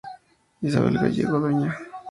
Isabel Gallego, Dña.